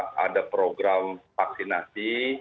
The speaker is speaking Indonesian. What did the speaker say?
ketika ada program vaksinasi